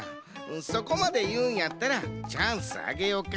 そこまでいうんやったらチャンスあげよか？